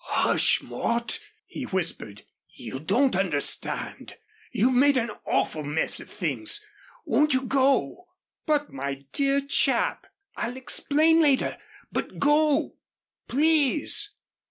"Hush, Mort," he whispered. "You don't understand. You've made an awful mess of things. Won't you go?" "But, my dear chap " "I'll explain later. But go please!"